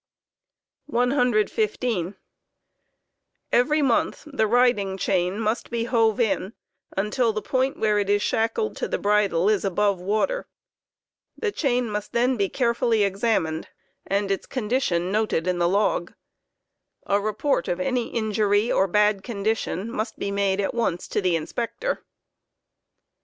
ofokak!& fttlon Every month the riding ^hain must be hove in, until the point where it is 00 * shackled to the bridle is above water; the chain must then be carefully examined and 15 its condition noted in the log; A report of any injury or bad condition must be made at once to the Inspector.